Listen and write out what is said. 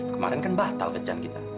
kemarin kan batal kecan kita